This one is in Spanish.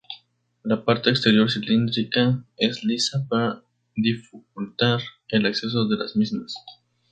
La parte exterior cilíndrica es lisa, para dificultar el acceso a las mismas.